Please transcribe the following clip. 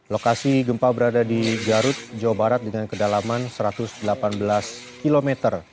lokasi gempa berada di garut jawa barat dengan kedalaman satu ratus delapan belas km